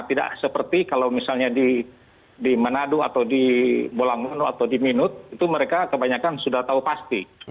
tidak seperti kalau misalnya di manado atau di bolangono atau di minute itu mereka kebanyakan sudah tahu pasti